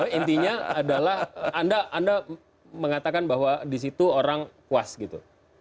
tapi intinya adalah anda mengatakan bahwa di situ orang puas gitu